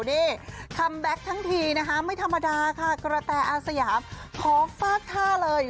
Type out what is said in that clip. นี่คัมแบ็คทั้งทีนะคะไม่ธรรมดาค่ะกระแตอาสยามขอฟาดท่าเลย